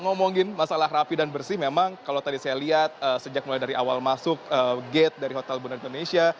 ngomongin masalah rapi dan bersih memang kalau tadi saya lihat sejak mulai dari awal masuk gate dari hotel bunda indonesia